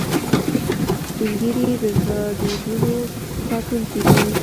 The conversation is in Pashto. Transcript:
سپین ږیری د زړو دودونو ساتونکي دي